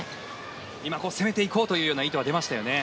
今、攻めていこうという意図は出ましたね。